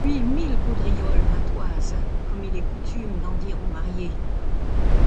Puis mille gaudrioles matoises, comme il est coustume d’en dire aux mariez.